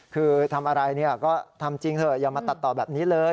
คือทำอะไรก็ทำจริงเถอะอย่ามาตัดต่อแบบนี้เลย